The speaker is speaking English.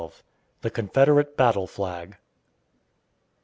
THE CONFEDERATE BATTLE FLAG.